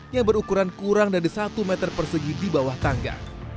yang berukuran kurang dari satu meter persegi di bawah tangga